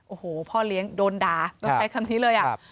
โอ้โหพ่อเลี้ยงโดนด่าต้องใช้คำนี้เลยอ่ะ